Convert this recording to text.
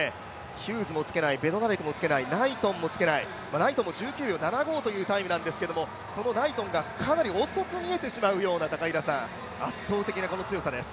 ヒューズもつけない、ベドナレクもつけない、ナイトンもつけない、ナイトンも１９秒７５というタイムなんですけれども、そのナイトンがかなり遅く見えてしまうような圧倒的なこの強さです。